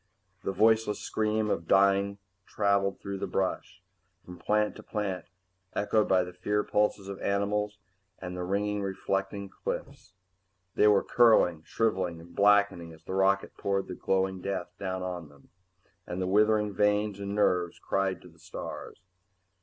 The voiceless scream of dying traveled through the brush, from plant to plant, echoed by the fear pulses of the animals and the ringingly reflecting cliffs. They were curling, shriveling and blackening as the rocket poured the glowing death down on them, and the withering veins and nerves cried to the stars.